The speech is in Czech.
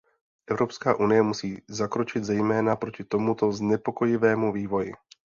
Evropská unie musí zakročit zejména proti tomuto znepokojivému vývoji.